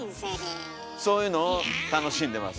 そういうのを楽しんでます。